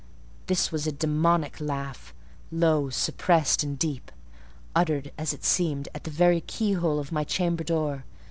This was a demoniac laugh—low, suppressed, and deep—uttered, as it seemed, at the very keyhole of my chamber door.